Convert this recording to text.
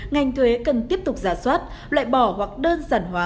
ngành thuế cần tiếp tục giả soát loại bỏ hoặc đơn giản hóa